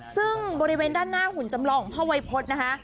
ซึ่งบริเวณด้านหน้าหุ่นจำลองของพ่อวัยพฤษนะคะ